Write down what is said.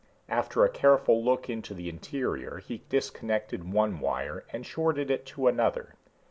After a careful look into the interior he disconnected one wire and shorted it to another.